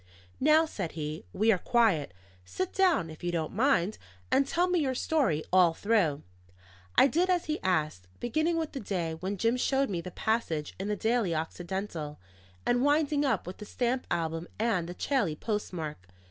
"Now," said he, "we are quiet. Sit down, if you don't mind, and tell me your story all through." I did as he asked, beginning with the day when Jim showed me the passage in the Daily Occidental, and winding up with the stamp album and the Chailly postmark.